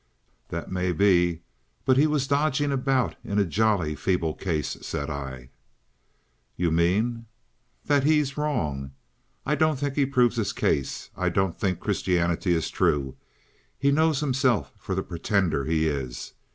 "That may be. But he was dodging about in a jolly feeble case," said I. "You mean?" "That he's wrong. I don't think he proves his case. I don't think Christianity is true. He knows himself for the pretender he is.